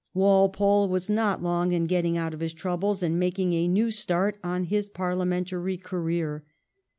Walpole was not long in getting out of his troubles and making a new start on his parliamentary career.